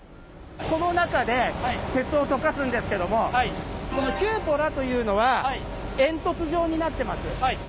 この中で鉄を溶かすんですけどもこのキューポラというのは煙突状になってます。